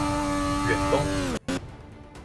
遠東